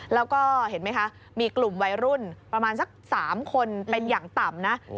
แล้วก็เห็นไหมคะมีกลุ่มวัยรุ่นประมาณสัก๓คนเป็นอย่างต่ำนะ